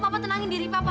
papa tenangin diri papa ya